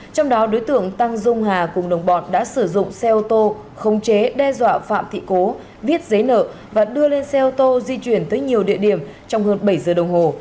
trong đó đối tượng tăng dung hà cùng đồng bọn đã sử dụng xe ô tô không chế đe dọa phạm thị cố viết giấy nợ và đưa lên xe ô tô di chuyển tới nhiều địa điểm trong hơn bảy giờ đồng hồ